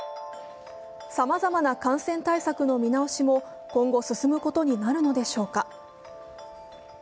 さまざまな感染対策の見直しも今後進むことになるのでしょうか。